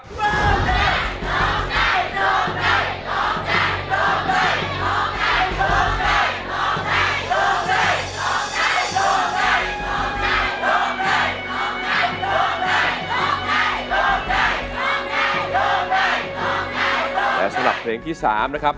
และสำหรับเพลงที่๓นะครับ